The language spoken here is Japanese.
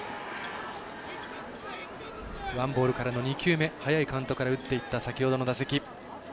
ワンボールからの２球目早いカウントから打っていった先ほどの打席。